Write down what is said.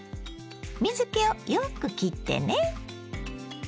水けをよくきってね。